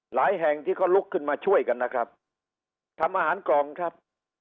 แห่งที่เขาลุกขึ้นมาช่วยกันนะครับทำอาหารกล่องครับ